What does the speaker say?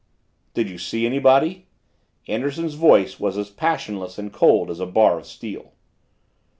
"Did you see anybody?" Anderson's voice was as passionless and cold as a bar of steel.